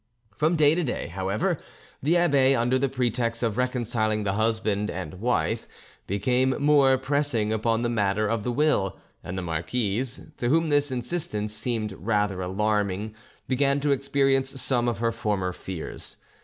From day to day, however, the abbe, under the pretext of reconciling the husband and wife, became more pressing upon the matter of the will, and the marquise, to whom this insistence seemed rather alarming, began to experience some of her former fears.